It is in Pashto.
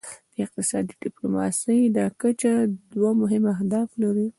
د اقتصادي ډیپلوماسي دا کچه دوه مهم اهداف لري